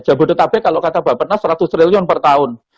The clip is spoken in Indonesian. jabodetabek kalau kata bapak pernah seratus triliun per tahun